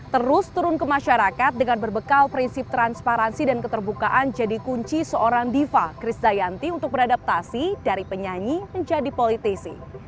terus turun ke masyarakat dengan berbekal prinsip transparansi dan keterbukaan jadi kunci seorang diva kris dayanti untuk beradaptasi dari penyanyi menjadi politisi